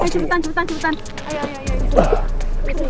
tidak ada yang menurut pak